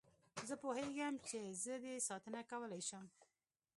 زه پوهېږم چې زه دې ساتنه کولای شم.